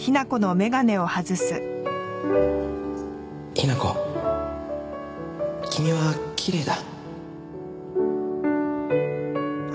雛子君はきれいだ。